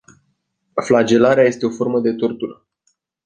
Flagelarea este o formă de tortură.